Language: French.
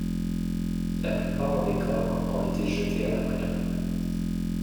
La plupart des corps ont été jetés à la mer.